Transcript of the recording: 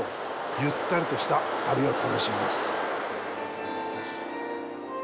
ゆったりとした旅を楽しみます。